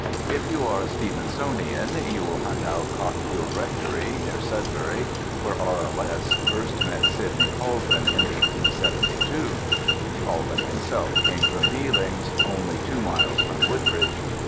If you are a Stevensonian, you will hunt out Cockfield Rectory, near Sudbury, where R.L.S. first met Sidney Colvin in 1872. (Colvin himself came from Bealings, only two miles from Woodbridge.)